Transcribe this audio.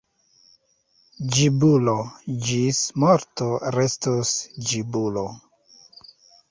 Ĝibulo ĝis morto restos ĝibulo.